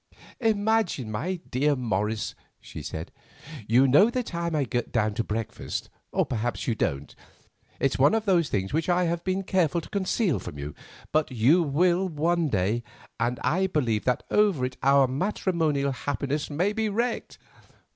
"Imagine, my dear Morris," she said, "you know the time I get down to breakfast. Or perhaps you don't. It's one of those things which I have been careful to conceal from you, but you will one day, and I believe that over it our matrimonial happiness may be wrecked.